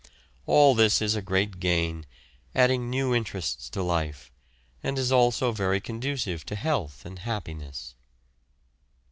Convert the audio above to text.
All this is a great gain, adding new interests to life, and is also very conducive to health and happiness.